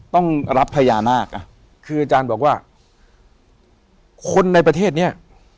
ต้องรับพญานาคอ่ะคืออาจารย์บอกว่าคนในประเทศเนี้ย